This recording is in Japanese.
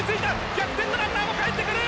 逆転のランナーもかえってくる！